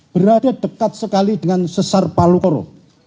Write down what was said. berada dekat sekali dengan sesar palu koro